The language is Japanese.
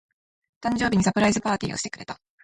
誕生日にサプライズパーティーをしてくれた。